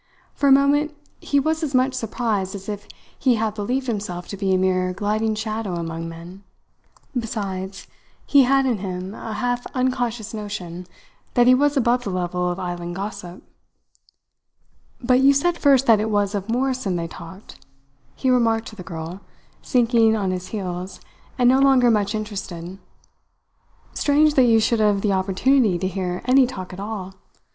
For a moment he was as much surprised as if he had believed himself to be a mere gliding shadow among men. Besides, he had in him a half unconscious notion that he was above the level of island gossip. "But you said first that it was of Morrison they talked," he remarked to the girl, sinking on his heels, and no longer much interested. "Strange that you should have the opportunity to hear any talk at all!